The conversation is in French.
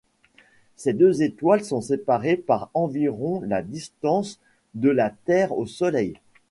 Ces deux étoiles sont séparées par environ la distance de la Terre au Soleil.